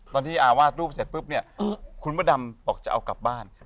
ตอนที่อาวาดรูปเสร็จปุ๊บเนี่ยคุณพระดำบอกจะเอากลับบ้าน